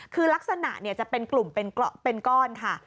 คือลักษณะจะเป็นกลุ่มเป็นก้อนค่ะ